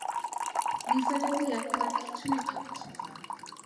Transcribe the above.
নিসার আলি এখন আর কিছুই ভাবছেন না।